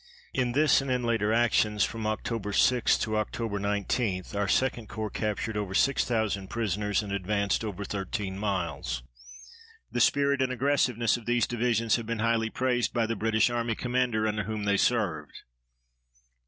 In this and in later actions, from Oct. 6 to Oct. 19, our 2d Corps captured over 6,000 prisoners and advanced over thirteen miles. The spirit and aggressiveness of these divisions have been highly praised by the British Army commander under whom they served.